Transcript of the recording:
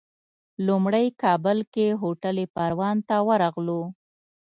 لومړی کابل کې هوټل پروان ته ورغلو.